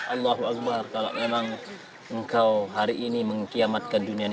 allahu akbar kalau memang engkau hari ini mengkiamatkan dunia ini